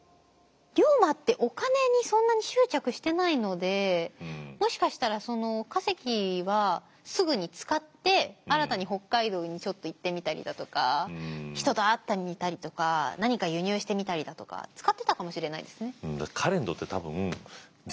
龍馬ってもしかしたらその稼ぎはすぐに使って新たに北海道にちょっと行ってみたりだとか人と会ってみたりとか何か輸入してみたりだとか使ってたかもしれないですね。